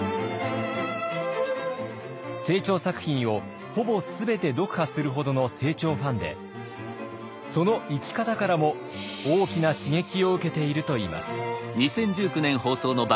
清張作品をほぼ全て読破するほどの清張ファンでその生き方からも大きな刺激を受けているといいます。